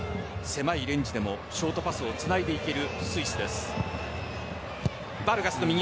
狭いレンジでもショートパスをつないでいけるスイスです。